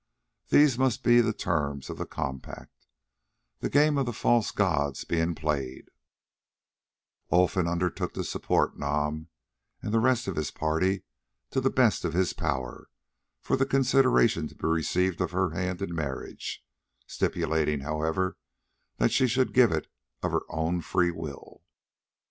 These must be the terms of the compact, that the game of the false gods being played, Olfan undertook to support Nam and the rest of his party to the best of his power, for the consideration to be received of her hand in marriage, stipulating, however, that she should give it of her own free will.